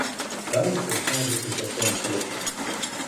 Да ли се слажете са том тежом?